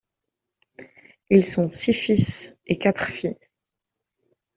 Ils ont six fils et quatre filles.